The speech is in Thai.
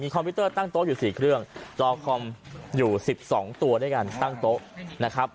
คอมพิวเตอร์ตั้งโต๊ะอยู่๔เครื่องจอคอมอยู่๑๒ตัวด้วยกันตั้งโต๊ะนะครับ